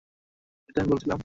এটা আমি বলছিলাম।